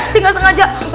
si gak sengaja